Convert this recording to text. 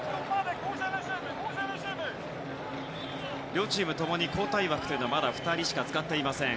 両チーム共に交代枠はまだ２人しか使っていません。